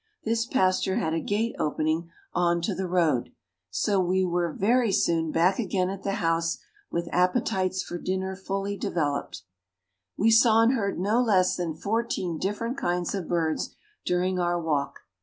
This pasture had a gate opening onto the road; so we were very soon back again at the house, with appetites for dinner fully developed. We saw and heard no less than fourteen different kinds of birds during our walk.